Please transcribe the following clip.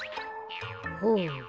ほう。